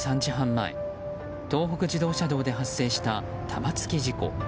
前東北自動車道で発生した玉突き事故。